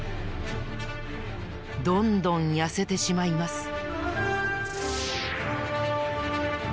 どんどんやせてしまいます。